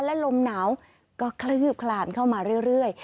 และลมหนาวก็คลืบคลานเข้ามาเรื่อย